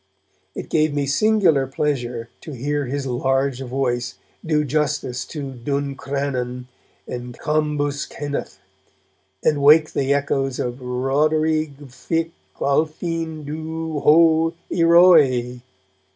It gave me singular pleasure to hear his large voice do justice to 'Duncrannon' and 'Cambus Kenneth', and wake the echoes with 'Rhoderigh Vich Alphine dhu, ho! ieroe!'